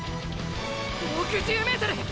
６０ｍ！！